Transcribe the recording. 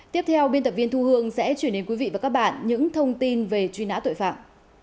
tiếp theo biên tập viên thu hương sẽ chuyển đến quý vị và các bạn những thông tin về truy nã tội phạm